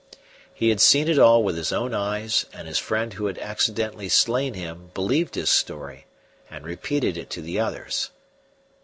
He had seen it all with his own eyes, and his friend who had accidentally slain him believed his story and repeated it to the others.